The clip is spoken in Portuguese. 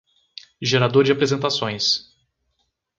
Gerador de apresentações.